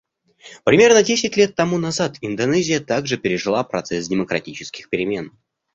Примерно десять лет тому назад Индонезия также пережила процесс демократических перемен.